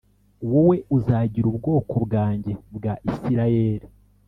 wowe uzagira ubwoko bwanjye bwa Isirayeli